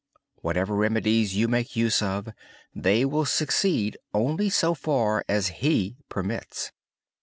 Whatever remedies you use, they will succeed only so far as He permits.